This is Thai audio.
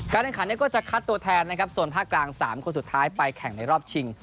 การแห่งขันก็จะคัดตัวแทนนะครับส่วนภาคกลาง๓คนสุดท้ายไปแข่งในรอบชิง